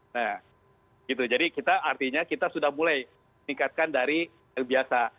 nah gitu jadi kita artinya kita sudah mulai meningkatkan dari yang biasa